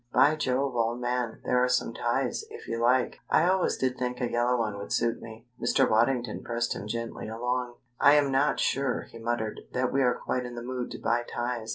By Jove, old man, there are some ties, if you like! I always did think a yellow one would suit me." Mr. Waddington pressed him gently along. "I am not sure," he muttered, "that we are quite in the mood to buy ties.